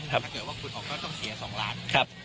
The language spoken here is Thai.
ถ้าเกิดว่าคุณออกก็ต้องเสีย๒ล้าน